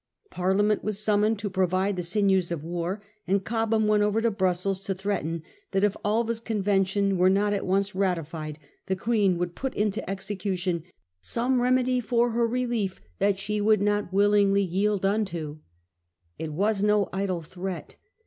Parlia ment was summoned to provide the sinews of war, and Cobham went over to Brussels to threaten that if Alva's convention were not at once ratified, the Queen would put into execution '^ some remedy for her relief that she would not willingly yield imto." It was no idle threat.